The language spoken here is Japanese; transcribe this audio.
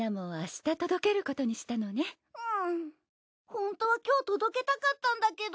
ホントは今日届けたかったんだけど。